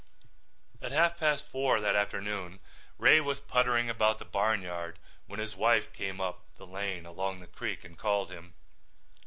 At half past four that afternoon Ray was puttering about the barnyard when his wife came up the lane along the creek and called him.